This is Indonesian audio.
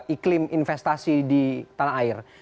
iklim investasi di tanah air